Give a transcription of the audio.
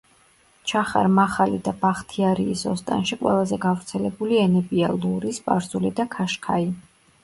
ჩახარ-მახალი და ბახთიარიის ოსტანში ყველაზე გავრცელებული ენებია: ლური, სპარსული და ქაშქაი.